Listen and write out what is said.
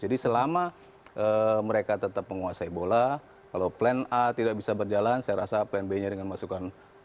selama mereka tetap menguasai bola kalau plan a tidak bisa berjalan saya rasa plan b nya dengan masukan